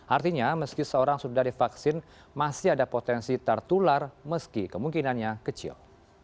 artinya meski seorang sudah divaksin masih ada potensi tertular meski kemungkinannya kecil